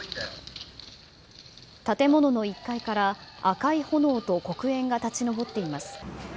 建物の１階から赤い炎と黒煙が立ち上っています。